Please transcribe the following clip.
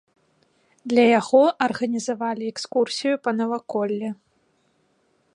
Для яго арганізавалі экскурсію па наваколлі.